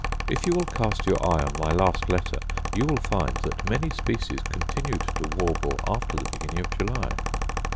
If you will cast your eye on my last letter, you will find that many species continued to warble after the beginning of July.